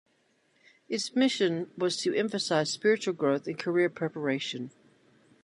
Its mission was to emphasize spiritual growth and career preparation.